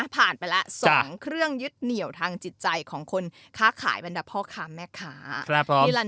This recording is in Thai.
ผ่านไปแล้ว๒เครื่องยึดเหนี่ยวทางจิตใจของคนค้าขายบรรดาพ่อค้าแม่ค้า